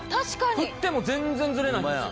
振っても全然ズレないんですよ。